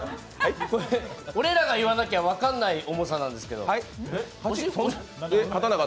俺らが言わなきゃ分かんない重さなんですけど。